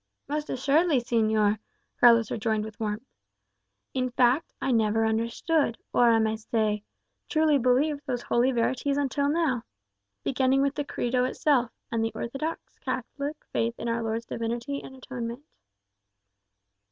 "Most assuredly, señor," Carlos rejoined, with warmth. "In fact I never understood, or, I may say, truly believed those holy verities until now. Beginning with the Credo itself, and the orthodox Catholic faith in our Lord's divinity and atonement."